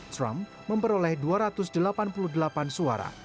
trump memperoleh dua ratus delapan puluh delapan suara